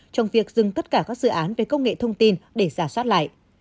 trong việc dừng tất cả các dự án về công nghệ thông tin để giả soát lại